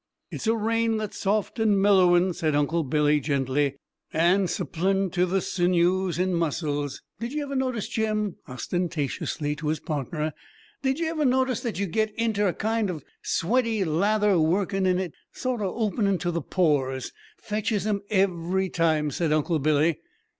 "It's a rain that's soft and mellowin'," said Uncle Billy gently, "and supplin' to the sinews and muscles. Did ye ever notice, Jim" ostentatiously to his partner "did ye ever notice that you get inter a kind o' sweaty lather workin' in it? Sorter openin' to the pores!" "Fetches 'em every time," said Uncle Billy.